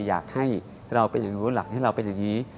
อยากให้เรารู้หลักให้เราเป็นอย่างนี้